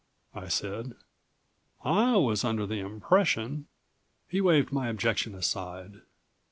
I said. "I was under the impression " He waved my objection aside.